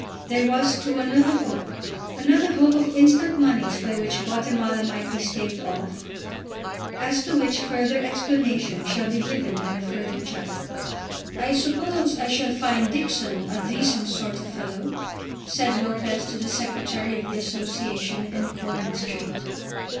There was, too, another hope, another hope of instant moneys by which Guatemala might be staved off, as to which further explanation shall be given in a further chapter. "I suppose I shall find Dixon a decent sort of a fellow?" said Lopez to the Secretary of the Association in Coleman Street.